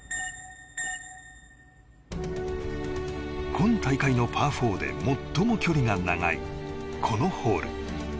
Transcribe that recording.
今大会のパー４で最も距離が長い、このホール。